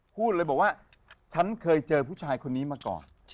พูดเลยบอกว่าฉันเคยเจอผู้ชายคนนี้มาก่อน